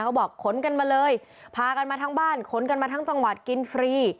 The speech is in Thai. บอกขนกันมาเลยพากันมาทั้งบ้านขนกันมาทั้งจังหวัดกินฟรี